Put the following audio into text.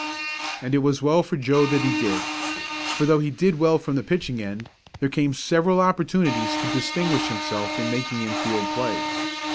And it was well for Joe that he did. For, though he did well from the pitching end, there came several opportunities to distinguish himself in making infield plays.